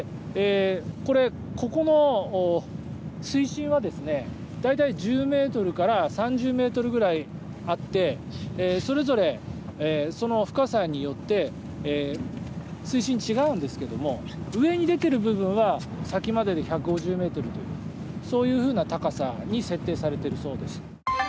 ここの水深は大体１０ｍから３０ｍくらいあってそれぞれ、深さによって水深、違うんですけども上に出ている部分は先までで１５０ｍというそういうふうな高さに設定されているそうです。